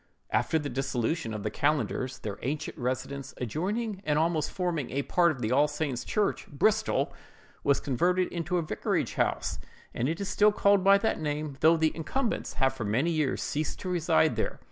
After the dissolution of the Calendars, their ancient residence, adjoining and almost forming a part of All Saint's church, Bristol, was converted into a vicarage house, and it is still called by that name, though the incumbents have for many years ceased to reside there.